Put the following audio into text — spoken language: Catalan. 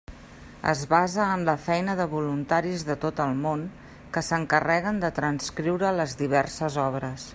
Es basa en la feina de voluntaris de tot el món, que s'encarreguen de transcriure les diverses obres.